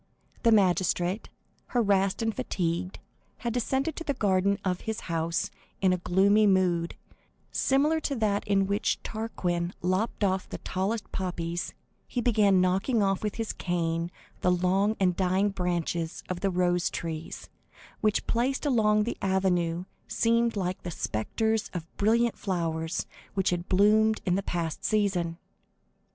The magistrate, harassed and fatigued, had descended to the garden of his house, and in a gloomy mood, similar to that in which Tarquin lopped off the tallest poppies, he began knocking off with his cane the long and dying branches of the rose trees, which, placed along the avenue, seemed like the spectres of the brilliant flowers which had bloomed in the past season.